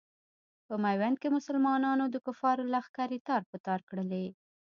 په میوند کې مسلمانانو د کفارو لښکرې تار په تار کړلې.